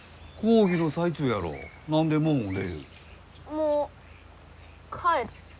もう帰る。